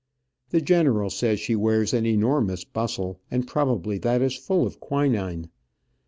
The general says she wears an enormous bustle, and probably that is full of quinine.